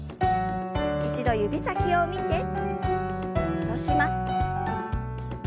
一度指先を見て戻します。